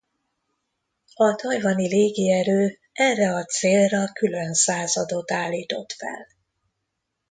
A tajvani légierő erre a célra külön századot állított fel.